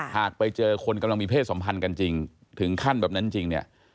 หากไปเจอคนกำลังมีเพศสัมพันธ์กันจริงถึงขั้นแบบนั้นจริงเนี่ย